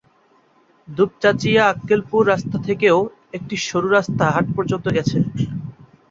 দুপচাঁচিয়া-আক্কেলপুর রাস্তা থেকেও একটি সরু রাস্তা হাট পযর্ন্ত গেছে।